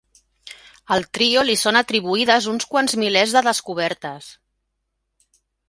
Al trio li són atribuïdes uns quants milers de descobertes.